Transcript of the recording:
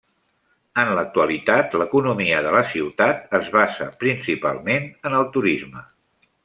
En l'actualitat l'economia de la ciutat es basa principalment en el turisme.